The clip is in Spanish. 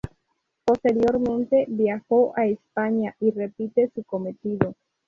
Posteriormente viajó a España y repite su cometido.